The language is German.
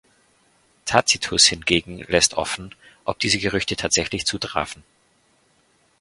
Tacitus hingegen lässt offen, ob diese Gerüchte tatsächlich zutrafen.